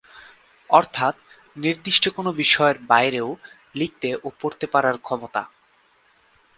অর্থাৎ, নির্দিষ্ট কোনো বিষয়ের বাইরেও লিখতে ও পড়তে পারার ক্ষমতা।